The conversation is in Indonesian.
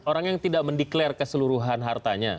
orang yang tidak mendeklarasi keseluruhan hartanya